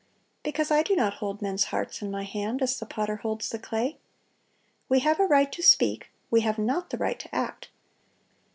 Because I do not hold men's hearts in my hand, as the potter holds the clay. We have a right to speak: we have not the right to act.